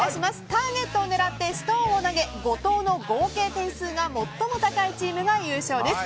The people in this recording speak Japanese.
ターゲットを狙ってストーンを投げ、５投の合計が最も高いチームが優勝です。